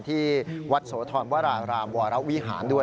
ที่วัดโสธรวรารามวรวิหารด้วย